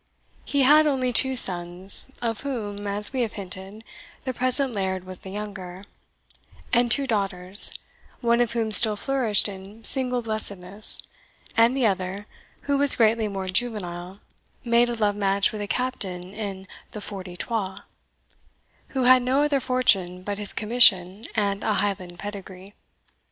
He had only two sons, of whom, as we have hinted, the present laird was the younger, and two daughters, one of whom still flourished in single blessedness, and the other, who was greatly more juvenile, made a love match with a captain in the Forty twa, who had no other fortune but his commission and a Highland pedigree.